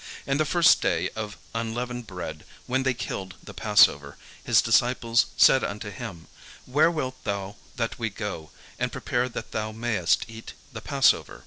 And the first day of unleavened bread, when they killed the passover, his disciples said unto him, "Where wilt thou that we go and prepare that thou mayest eat the passover?"